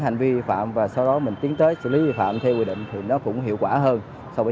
hành vi vi phạm và sau đó mình tiến tới xử lý vi phạm theo quy định thì nó cũng hiệu quả hơn so với